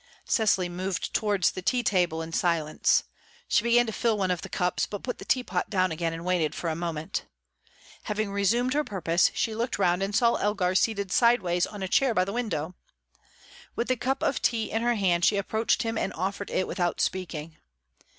Cecily moved towards the tea table in silence. She began to fill one of the cups, but put the teapot down again and waited for a moment. Having resumed her purpose, she looked round and saw Elgar seated sideways on a chair by the window. With the cup of tea in her hand, she approached him and offered it without speaking.